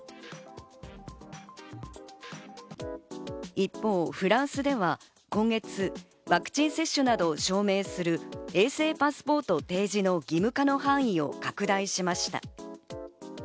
一方、フランスでは今月ワクチン接種などを証明する衛生パスポート提示の義務化の範囲を拡大しました。